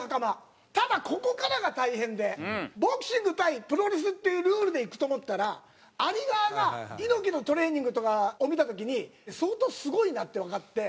ただここからが大変でボクシング対プロレスっていうルールでいくと思ったらアリ側が猪木のトレーニングとかを見た時に相当すごいなってわかって。